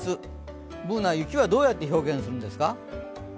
Ｂｏｏｎａ、雪はどうやって表現するんですか？